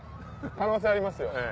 可能性ありますよ